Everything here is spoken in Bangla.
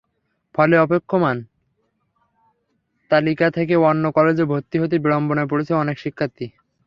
ফলে অপেক্ষমাণ তালিকা থেকে অন্য কলেজে ভর্তি হতে বিড়ম্বনায় পড়ছে অনেক শিক্ষার্থী।